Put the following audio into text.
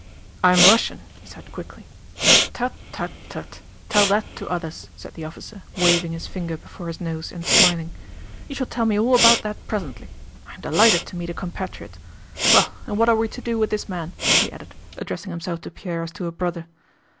"I am Russian," he said quickly. "Tut, tut, tut! Tell that to others," said the officer, waving his finger before his nose and smiling. "You shall tell me all about that presently. I am delighted to meet a compatriot. Well, and what are we to do with this man?" he added, addressing himself to Pierre as to a brother.